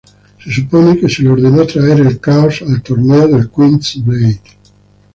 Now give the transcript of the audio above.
Se supone que se le ordenó traer el caos al torneo del Queen's Blade.